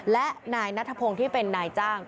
และนายนัทพงศ์ที่เป็นนายจ้าง